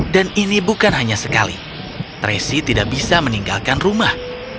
dan ini bukan hanya sekali tracy tidak bisa meninggalkan rumah